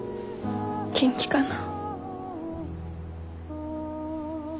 元気かなぁ。